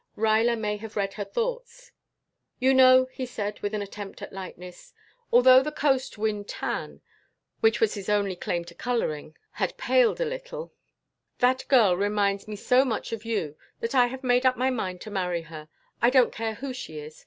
Ruyler may have read her thoughts. "You know," he said, with an attempt at lightness, although the coast wind tan, which was his only claim to coloring, had paled a little, "that girl reminds me so much of you that I have made up my mind to marry her. I don't care who she is.